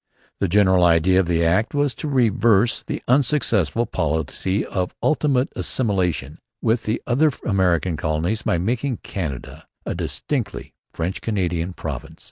The general idea of the Act was to reverse the unsuccessful policy of ultimate assimilation with the other American colonies by making Canada a distinctly French Canadian province.